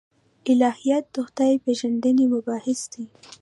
الهیات د خدای پېژندنې مباحث دي.